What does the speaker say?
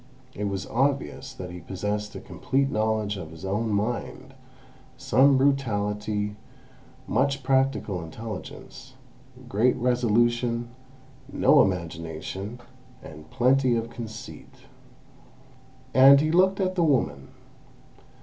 It was obvious that he possessed a complete knowledge of his own mind, some brutality, much practical intelligence, great resolution, no imagination, and plenty of conceit. And he looked at the woman.